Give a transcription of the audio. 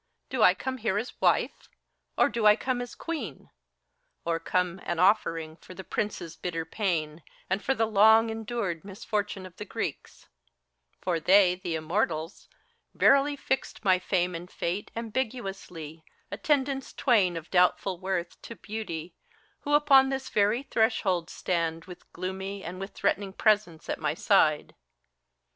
Do I come here as wife? Or do I come as queen T Or come, an offering for the Prince's bitter pain, And for the long endured misfortune of the Greeks T For they, the Immortals, verily fixed my Fame and Fate Ambiguously, attendants twain of doubtful worth To Beauty, who upon this very threshold stand With gloomy and with threatening presence at my side.